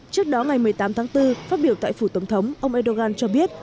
trước đó ngày một mươi tám tháng bốn phát biểu tại phủ tổng thống ông erdogan cho biết